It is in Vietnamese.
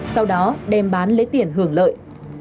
sau đó đem bán lấy tiền hưởng lợi